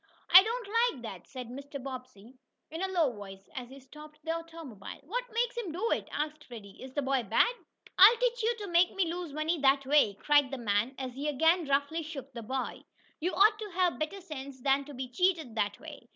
"I don't like that," said Mr. Bobbsey in a low voice, as he stopped the automobile. "What makes him do it?" asked Freddie. "Is the boy bad?" "I'll teach you to make me lose money that way!" cried the man as he again roughly shook the boy. "You ought to have better sense than to be cheated that way!